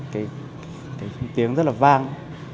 cái tiếng rất là vang